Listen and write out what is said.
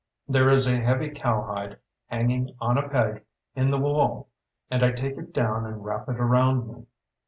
There is a heavy cow hide hanging on a peg in the wall and I take it down and wrap it around me.